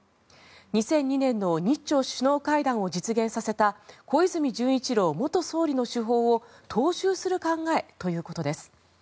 ２００２年の日朝首脳会談を実現させた小泉純一郎元総理の手法を踏襲する考えということです。